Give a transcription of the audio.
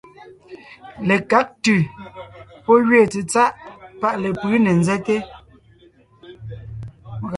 Lekág ntʉ̀ pɔ́ gẅeen tsetsáʼ paʼ lepʉ̌ ne nzɛ́te,